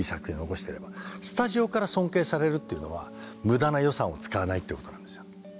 スタジオから尊敬されるっていうのは無駄な予算を使わないっていうことなんですよ。